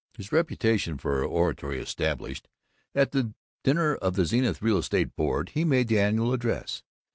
His reputation for oratory established, at the dinner of the Zenith Real Estate Board he made the Annual Address.